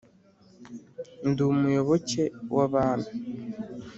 ndi umuyoboke w'abami